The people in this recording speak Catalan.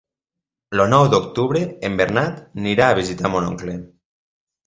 El nou d'octubre en Bernat anirà a visitar mon oncle.